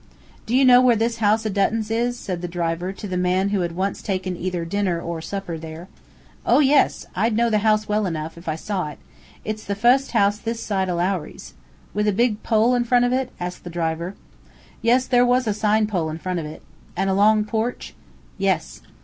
"Do you know where this house o' Dutton's is?" said the driver, to the man who had once taken either dinner or supper there. "Oh yes! I'd know the house well enough, if I saw it. It's the fust house this side o' Lowry's." "With a big pole in front of it?" asked the driver. "Yes, there was a sign pole in front of it." "An a long porch?" "Yes."